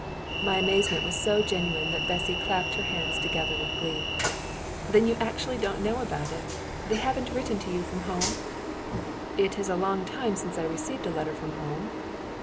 My amazement was so genuine that Bessy clapped her hands together with glee. "Then you actually don't know about it? They haven't written to you from home?" "It is a long time since I received a letter from home."